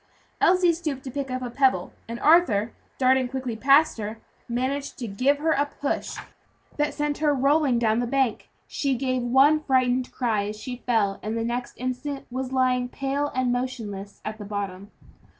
Elsie stooped to pick up a pebble, and Arthur, darting quickly past her, managed to give her a push that sent her rolling down the bank. She gave one frightened cry as she fell, and the next instant was lying pale and motionless at the bottom.